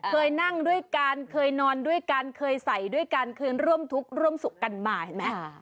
เคยนั่งด้วยกันเคยนอนด้วยกันเคยใส่ด้วยกันเคยร่วมทุกข์ร่วมสุขกันมาเห็นไหม